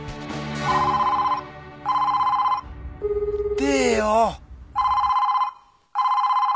出えよ。